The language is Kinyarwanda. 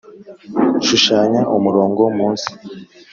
shushanya umurongo munsi